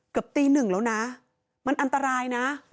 ตีหนึ่งแล้วนะมันอันตรายนะ